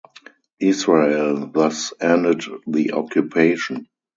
Israel thus ended the occupation.